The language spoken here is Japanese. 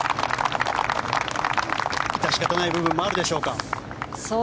致し方ない部分もあるでしょうか。